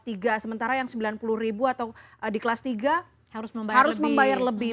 dan sepuluh ribu atau di kelas tiga harus membayar lebih